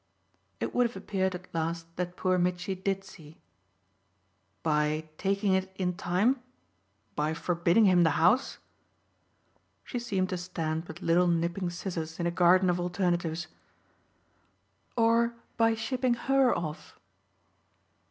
It would have appeared at last that poor Mitchy did see. "By taking it in time? By forbidding him the house?" She seemed to stand with little nipping scissors in a garden of alternatives. "Or by shipping HER off.